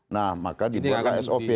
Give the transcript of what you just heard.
nah maka dibolehkan sop